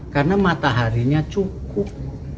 karena mataharinya cukup